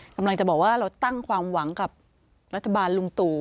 กำลังจะบอกว่าเราตั้งความหวังกับรัฐบาลลุงตู่